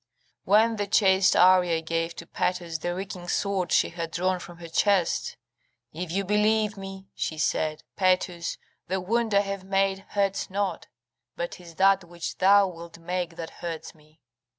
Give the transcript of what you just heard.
["When the chaste Arria gave to Poetus the reeking sword she had drawn from her breast, 'If you believe me,' she said, 'Paetus, the wound I have made hurts not, but 'tis that which thou wilt make that hurts me.